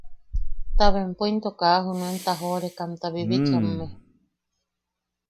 Ta bempo into kaa junuen tajoʼorekamta bibichamme.